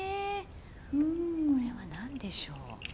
これは何でしょう。